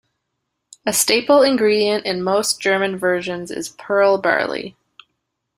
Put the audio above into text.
A staple ingredient in most German versions is pearl barley.